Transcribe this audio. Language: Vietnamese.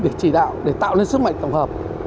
việc chỉ đạo để tạo lên sức mạnh tổng hợp